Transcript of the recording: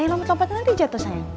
yang lompat lompatan lagi jatuh sayang